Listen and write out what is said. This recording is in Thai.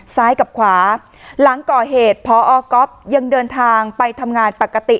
ซ้ายกับขวาหลังก่อเหตุพอก๊อฟยังเดินทางไปทำงานปกติ